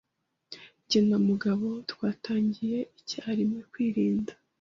Jye na Mugabo twatangiye icyarimwe kwirinda.